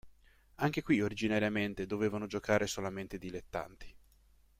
Anche qui originariamente dovevano giocare solamente i dilettanti.